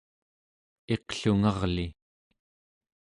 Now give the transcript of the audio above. iqlungarli